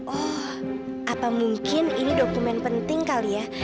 oh apa mungkin ini dokumen penting kali ya